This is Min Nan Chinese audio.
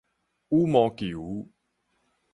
羽毛球